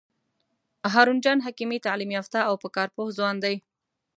هارون جان حکیمي تعلیم یافته او په کار پوه ځوان دی.